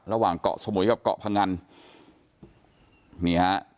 ระหว่างเกาะสมุยกับเกาะพงันนี่ฮะ